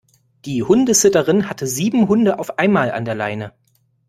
Die Hundesitterin hatte sieben Hunde auf einmal an der Leine.